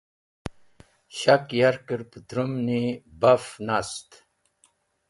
Shak yarkẽr pẽtmũyni baf nat.